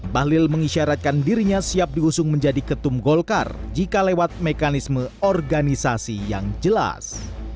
bahlil mengisyaratkan dirinya siap diusung menjadi ketum golkar jika lewat mekanisme organisasi yang jelas